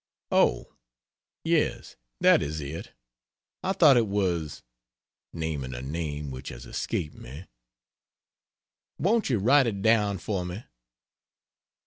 "Oh, yes, that is it, I thought it was " (naming a name which has escaped me) "Won't you write it down for me?"